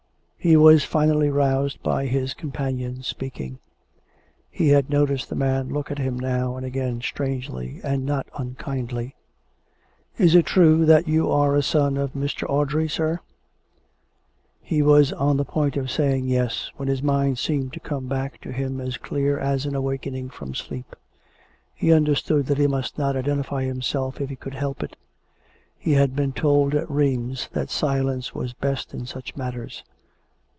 He was finally roused by his companion's speaking. He had noticed the man look at him now and again strangely and not unkindly. " Is it true that you are a son of Mr. Audrey, sir,'' " He was on the point of saying " Yes," when his mind seemed to come back to him as clear as an awakening from sleep. He understood that he must not identify himself if he could help it. He had been told at Rheims that silence was best in such matters.